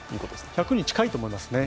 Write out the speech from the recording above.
１００に近いと思いますね。